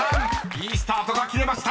［いいスタートが切れました。